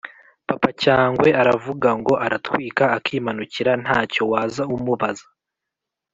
Papacyangwe aravugango aratwika akimanukira ntacyo waza umubaza